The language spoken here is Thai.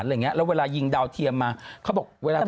แบบนี้แล้วเวลายิงดาวเทียมมาเขาบอกเวลาดู